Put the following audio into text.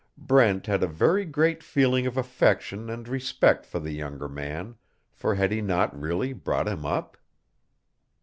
Brent had a very great feeling of affection and respect for the younger man, for had he not really brought him up?